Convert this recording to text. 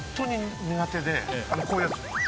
あのこういうやつ。